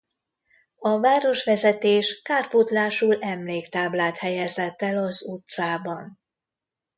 A városvezetés kárpótlásul emléktáblát helyezett el az utcában.